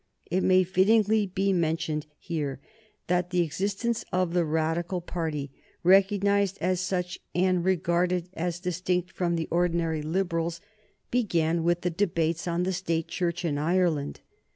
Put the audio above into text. It may fittingly be mentioned here that the existence of the Radical party, recognized as such and regarded as distinct from the ordinary Liberals, began with the debates on the State Church in Ireland.